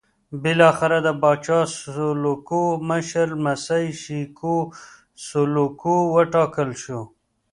بالاخره د پاچا سلوکو مشر لمسی شېکو سلوکو وټاکل شو.